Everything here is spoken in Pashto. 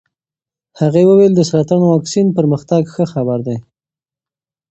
هغې وویل د سرطان واکسین پرمختګ ښه خبر دی.